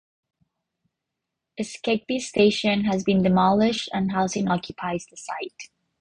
Skegby station has been demolished and housing occupies the site.